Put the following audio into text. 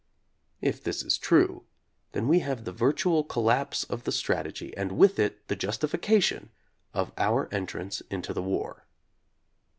If this is true, then we have the virtual collapse of the strategy, and with it the justification, of our entrance into the war.